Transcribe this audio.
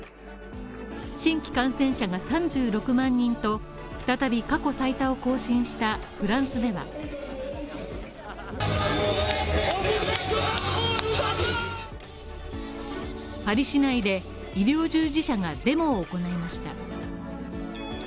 新規感染者が３６万人と、再び過去最多を更新したフランスではパリ市内で医療従事者がデモを行いました。